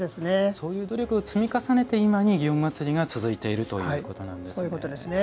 そういう努力を重ねて今に祇園祭が続いているということなんですね。